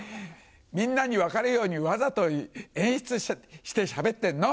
みんなに分かるようにわざと演出してしゃべってんの。